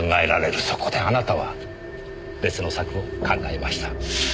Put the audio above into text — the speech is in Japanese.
そこであなたは別の策を考えました。